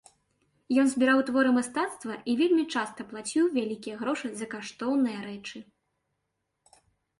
Ён збіраў творы мастацтва і вельмі часта плаціў вялікія грошы за каштоўныя рэчы.